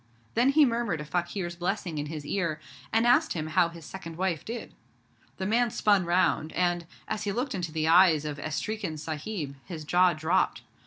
Then he murmured a fakir's blessing in his ear, and asked him how his second wife did. The man spun round, and, as he looked into the eyes of 'Estreekin Sahib', his jaw dropped.